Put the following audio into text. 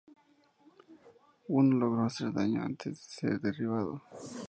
Uno logró hacer daño antes de ser derribado.